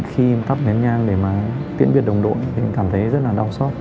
khi tắt nhén nhang để mà tiễn biệt đồng đội thì mình cảm thấy rất là đau xót